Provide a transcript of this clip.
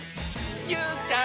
ゆうちゃん